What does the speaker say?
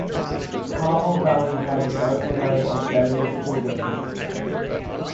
Carmel Valley has an overlay of various school districts.